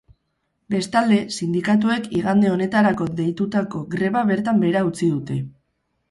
Bestalde, sindikatuek igande honetarako deitutako greba bertan behera utzi dute.